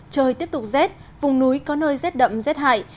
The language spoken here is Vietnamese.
trời tiếp tục rét vùng núi có nơi rét đậm rét hại